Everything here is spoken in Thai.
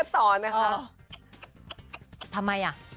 ทั้งผู้ชมมาดูกันต่อนนะครับ